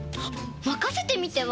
まかせてみては？